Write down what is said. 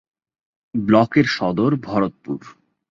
ব্লকের সদর ভরতপুর।